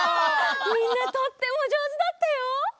みんなとってもじょうずだったよ。